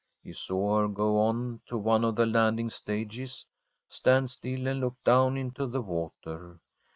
He saw her go on to one of the landing stages, stand still, and look down into the water.